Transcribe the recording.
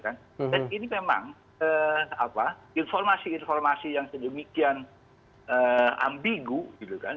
dan ini memang informasi informasi yang sedemikian ambigu gitu kan